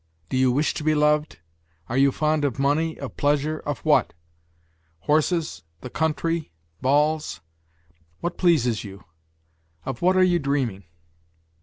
Do you wish to be loved? Are you fond of money, of pleasure, of what? Horses, the country, balls? What pleases you? Of what are you dreaming?"